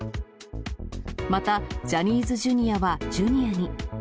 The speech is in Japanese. またジャニーズＪｒ．はジュニアに。